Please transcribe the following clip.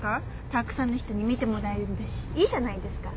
たくさんの人に見てもらえるんだしいいじゃないですか。